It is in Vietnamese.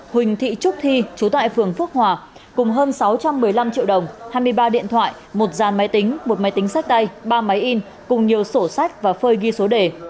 huỳnh thị trúc thi chú tại phường phước hòa cùng hơn sáu trăm một mươi năm triệu đồng hai mươi ba điện thoại một dàn máy tính một máy tính sách tay ba máy in cùng nhiều sổ sách và phơi ghi số đề